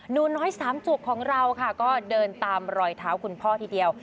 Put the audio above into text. หนูน้อยสามจุกของเราค่ะก็เดินตามรอยเท้าคุณพ่อทีเดียว